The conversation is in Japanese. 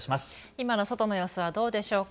今の外の様子はどうでしょうか。